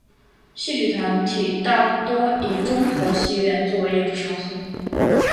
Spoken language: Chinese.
戏曲团体大多以中和戏院作为演出场所。